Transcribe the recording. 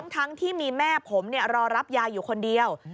ทั้งที่มีแม่ผมรอรับยาอยู่คนเดียว